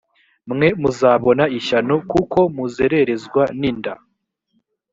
mwe muzabona ishyano kuko muzererezwa ninda